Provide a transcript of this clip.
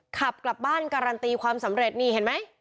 ขับกลับบ้านการันตีความสำเร็จ